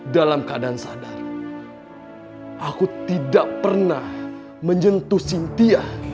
dalam keadaan sadar aku tidak pernah menjentuh sinti